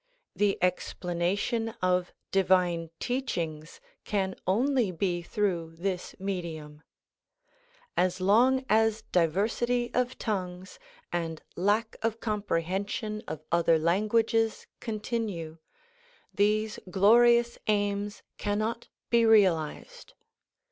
The explanation of divine teachings can only be through this medium. As long as diversity of tongues and lack of compre hension of other languages continue, these glorious aims cannot be realized.